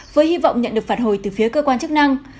với hy vọng nhận được phản hồi từ phía cơ quan chức năng